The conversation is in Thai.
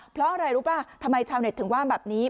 เพราะอะไรรู้ป่ะทำไมชาวเน็ตถึงว่าแบบนี้